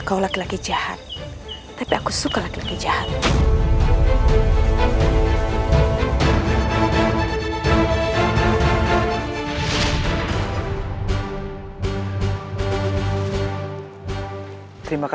kau mengirim orang untuk membunuh wanita yang bersamaku